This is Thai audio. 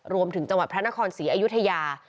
รวมถึงจังหวัดพระนครศรีอายุทยา